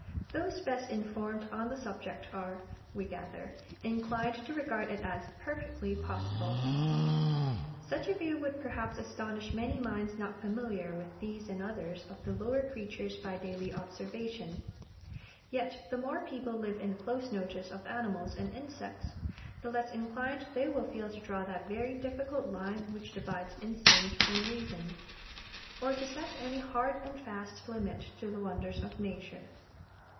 Those best informed on the subject are, we gather, inclined to regard it as perfectly possible. Such a view would, perhaps, astonish many minds not familiar with these and others of the lower creatures by daily observation. Yet the more people live in close notice of animals and insects the less inclined they will feel to draw that very difficult line which divides instinct from reason, or to set any hard and fast limit to the wonders of Nature.